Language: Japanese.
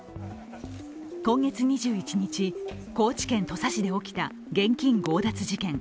今月２１日、高知県土佐市で起きた現金強奪事件。